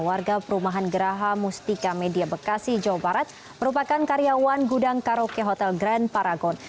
warga perumahan geraha mustika media bekasi jawa barat merupakan karyawan gudang karaoke hotel grand paragon